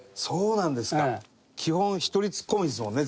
基本１人ツッコミですもんね全部。